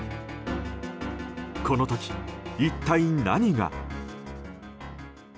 この時、一体何が。